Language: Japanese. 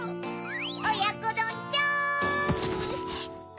おやこどんちゃん！